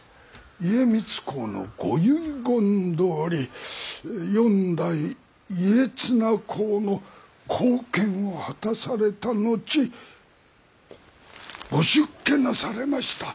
家光公の御遺言どおり四代家綱公の後見をはたされた後ご出家なされました。